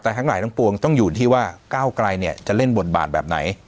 แต่ทั้งหลายทั้งปวงต้องอยู่ที่ว่าก้าวไกลเนี่ยจะเล่นบทบาทแบบไหน